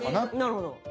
なるほど。